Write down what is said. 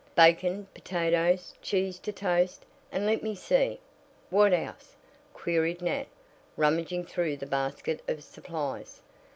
"Bacon, potatoes, cheese to toast, and let me see. What else?" queried Nat, rummaging through the basket of supplies.